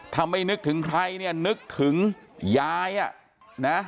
ถ้าไม่นึกถึงใครเนี่ยนึกถึงยายอ่ะนะ